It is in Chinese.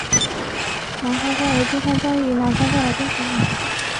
芒康山为金沙江与澜沧江的分水岭。